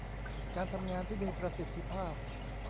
การทำงานที่มีประสิทธิภาพ